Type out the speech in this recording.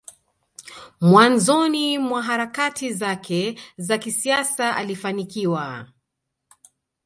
mwanzoni mwa harakati zake za kisiasa alifanikiwa